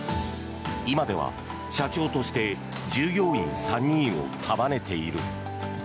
今では社長として従業員３人を束ねている。